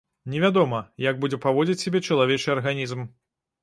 Невядома, як будзе паводзіць сябе чалавечы арганізм.